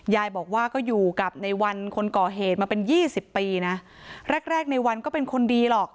ยายบอกว่าก็อยู่กับในวันคนก่อเหตุมาเป็นยี่สิบปีนะแรกแรกในวันก็เป็นคนดีหรอก